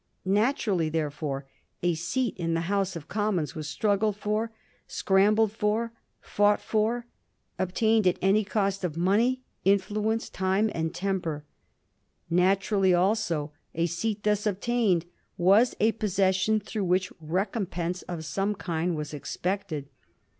Naturally, therefore, a seat in the House of Commons was struggled for, scrambled for, fought for — obtained at any cost of money, influence, time, and temper. Naturally also a seat thus obtained was a possession through which recompense of some kind was expected.